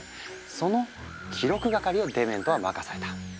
その記録係をデメントは任された。